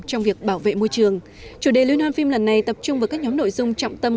trong việc bảo vệ môi trường chủ đề liên hoan phim lần này tập trung vào các nhóm nội dung trọng tâm